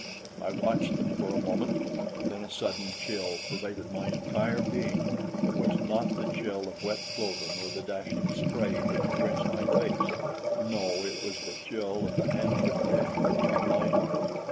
I watched them for a moment, and then a sudden chill pervaded my entire being. It was not the chill of wet clothing, or the dashing spray which drenched my face; no, it was the chill of the hand of death upon my heart.